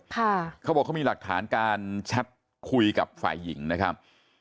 เขาบอกเขามีหลักฐานการแชทคุยกับฝ่ายหญิงนะครับ